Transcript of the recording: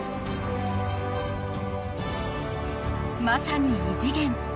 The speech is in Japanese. ［まさに異次元］